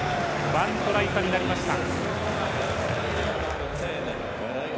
１トライ差になりました。